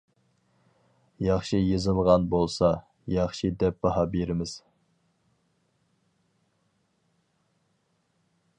ياخشى يېزىلغان بولسا، ياخشى دەپ باھا بىرىمىز.